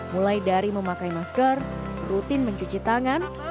mulai dari memakai masker rutin mencuci tangan